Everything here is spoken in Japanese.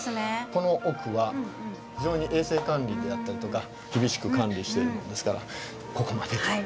この奥は非常に衛生管理であったりとか厳しく管理しているもんですからここまでと。